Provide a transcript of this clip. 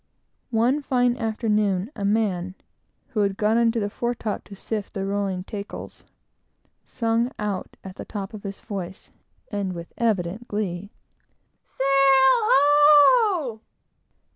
One fine afternoon, a man who had gone into the fore top to shift the rolling tackles, sung out, at the top of his voice, and with evident glee, "Sail ho!"